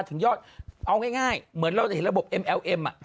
ถึงยอดเอาง่ายเหมือนเราจะเห็นระบบเอ็มเอลเอ็ม